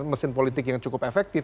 mesin politik yang cukup efektif